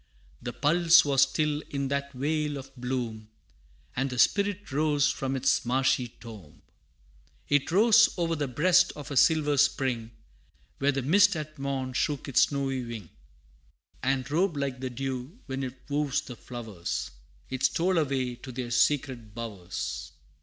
The pulse was still in that vale of bloom, And the Spirit rose from its marshy tomb. It rose o'er the breast of a silver spring, Where the mist at morn shook its snowy wing, And robed like the dew, when it woos the flowers. It stole away to their secret bowers.